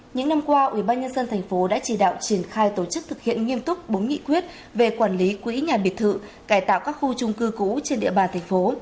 những năm qua ubnd tp đã chỉ đạo triển khai tổ chức thực hiện nghiêm túc bốn nghị quyết về quản lý quỹ nhà biệt thự cải tạo các khu trung cư cũ trên địa bàn thành phố